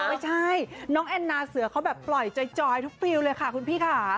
ไม่ใช่น้องแอนนาเสือเขาแบบปล่อยจอยทุกฟิลเลยค่ะคุณพี่ค่ะ